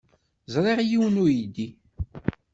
Ẓriɣ yiwen n uydi.